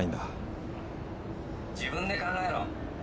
「自分で考えろ」。